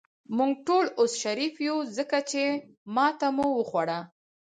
موږ ټول اوس شریف یو، ځکه چې ماته مو وخوړه.